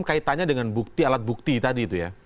kaitannya dengan bukti alat bukti tadi itu ya